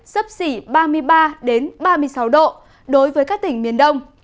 sấp xỉ ba mươi ba ba mươi sáu độ đối với các tỉnh miền đông